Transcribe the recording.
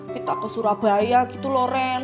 kita ke surabaya gitu loh ren